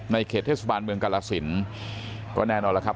เขตเทศบาลเมืองกาลสินก็แน่นอนแล้วครับ